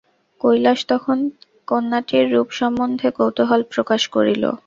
কৈলাস তখন কন্যাটির রূপ সম্বন্ধে কৌতূহল প্রকাশ করিল।